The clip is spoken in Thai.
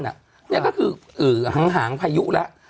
นี่ก็คือหางพายุแล้ว